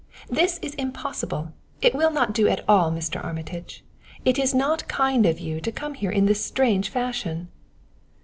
This is impossible it will not do at all, Mr. Armitage. It is not kind of you to come here in this strange fashion."